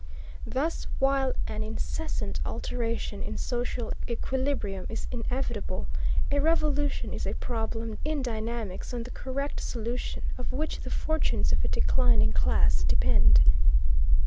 Thus while an incessant alteration in social equilibrium is inevitable, a revolution is a problem in dynamics, on the correct solution of which the fortunes of a declining class depend.